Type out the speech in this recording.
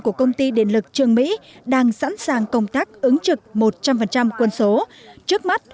của công ty điện lực trường mỹ đang sẵn sàng công tác ứng trực một trăm linh quân số trước mắt